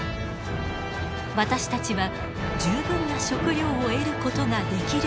私たちは十分な食糧を得ることができるようになりました。